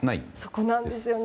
そこなんですよね。